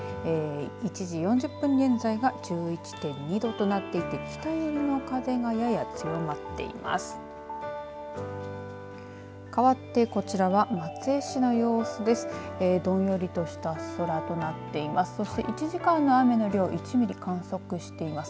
１時４０分現在が１１．２度となっていて北寄りの風がやや強まっています。